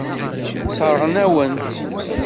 Sseṛɣent-awen-t.